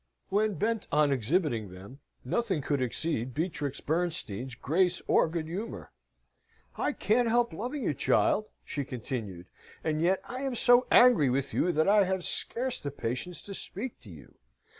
When bent on exhibiting them, nothing could exceed Beatrix Bernstein's grace or good humour. "I can't help loving you, child," she continued, "and yet I am so angry with you that I have scarce the patience to speak to you.